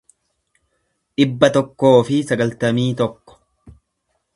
dhibba tokkoo fi sagaltamii tokko